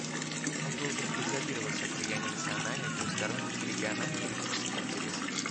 Он должен изолироваться от влияния национальных, двусторонних и региональных политических интересов.